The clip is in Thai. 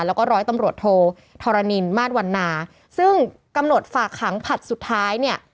แล้วก็ร้อยตำรวจโทธรณินมาตรวันนาซึ่งกำหนดฝากขังผลัดสุดท้ายเนี่ย